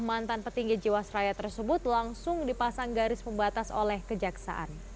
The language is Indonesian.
mantan petinggi jiwasraya tersebut langsung dipasang garis pembatas oleh kejaksaan